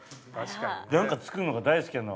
何か作るのが大好きなの。